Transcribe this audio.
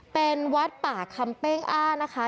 เป็นวัดป่าคำเป้งอ้านะคะ